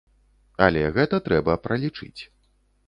Але гэта трэба пралічыць.